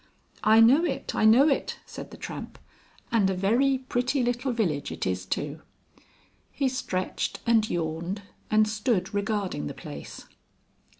"I know it, I know it," said the Tramp. "And a very pretty little village it is too." He stretched and yawned, and stood regarding the place.